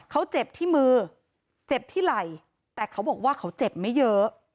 เขาเจ็บที่มือเจ็บที่ไหล่แต่เขาบอกว่าเขาเจ็บไม่เยอะ